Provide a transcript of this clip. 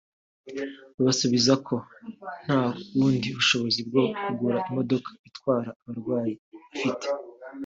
babasubiza ko nta bundi bushobozi bwo kugura imodoka itwara abarwayi bafite